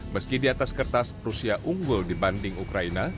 meski di atas kertas rusia unggul dibanding ukraina